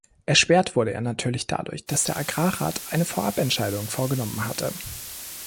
Erschwert wurde er natürlich dadurch, dass der Agrarrat eine Vorabentscheidung vorgenommen hatte.